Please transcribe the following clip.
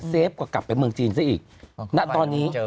เฟฟก็กลับไปเมืองจีนซะอีกณตอนนี้